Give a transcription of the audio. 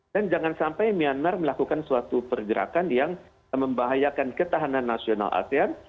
dan jangan sampai myanmar melakukan suatu pergerakan yang membahayakan ketahanan nasional asean